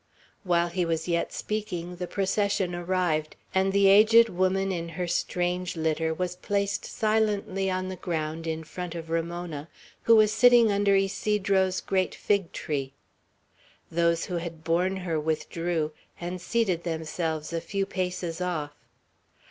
While he was yet speaking, the procession arrived, and the aged woman in her strange litter was placed silently on the ground in front of Ramona, who was sitting under Ysidro's great fig tree. Those who had borne her withdrew, and seated themselves a few paces off.